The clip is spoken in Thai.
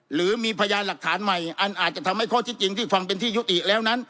หรือมีพยานหลักฐานใหม่อันอาจจะทำให้ข้อที่จริงที่ฟังเป็นที่ยุติแล้วนั้น